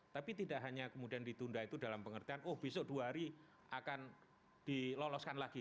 tapi tidak hanya kemudian ditunda itu dalam pengertian oh besok dua hari akan diloloskan lagi